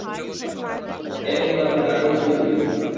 এ উংরা পুংরা, কই ছিলি তুই?